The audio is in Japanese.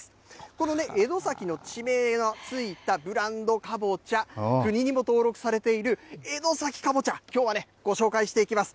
この江戸崎の地名の付いたブランドかぼちゃ、国にも登録されている、江戸崎かぼちゃ、きょうはね、ご紹介していきます。